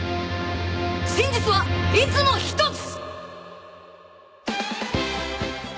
真実はいつも１つ‼